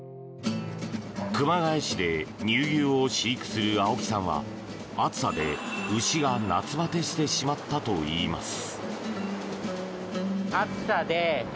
熊谷市で乳牛を飼育する青木さんは暑さで牛が夏バテしてしまったといいます。